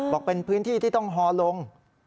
บอกเป็นพื้นที่ที่ต้องฮอลง